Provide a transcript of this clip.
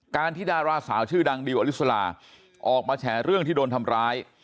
ที่ดาราสาวชื่อดังดิวอลิสลาออกมาแฉเรื่องที่โดนทำร้าย